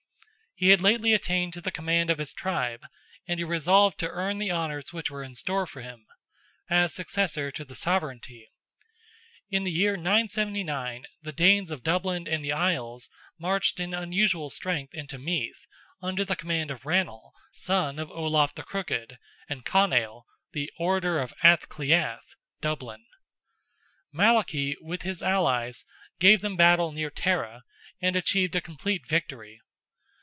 He had lately attained to the command of his tribe—and he resolved to earn the honours which were in store for him, as successor to the sovereignty. In the year 979, the Danes of Dublin and the Isles marched in unusual strength into Meath, under the command of Rannall, son of Olaf the Crooked, and Connail, "the Orator of Ath Cliath," (Dublin). Malachy, with his allies, gave them battle near Tara, and achieved a complete victory.